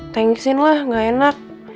thanks in lah nggak enak